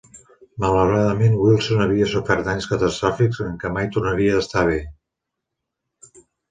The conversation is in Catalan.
Malauradament, Wilson havia sofert danys catastròfics en què mai tornaria a estar bé.